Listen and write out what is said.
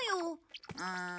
うん。